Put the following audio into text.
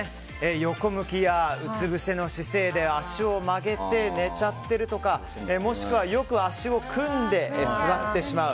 横向きやうつぶせの姿勢で足を曲げて寝ちゃってるとかもしくはよく足を組んで座ってしまう。